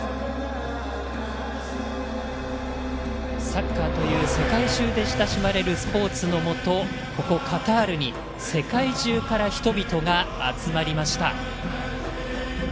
サッカーという世界中で親しまれるスポーツのもと、ここカタールに世界中から人々が集まりました。